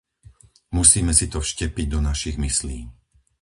Musíme si to vštepiť do našich myslí.